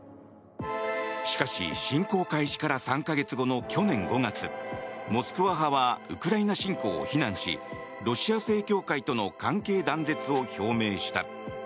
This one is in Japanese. しかし、侵攻開始から３か月後の去年５月モスクワ派はウクライナ侵攻を非難しロシア正教会との関係断絶を表明した。